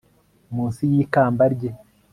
munsi yikamba rye